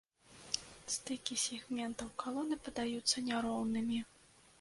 Стыкі сегментаў калоны падаюцца няроўнымі.